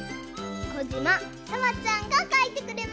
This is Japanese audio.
こじまさわちゃんがかいてくれました。